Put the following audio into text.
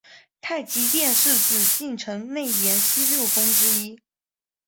太极殿是紫禁城内廷西六宫之一。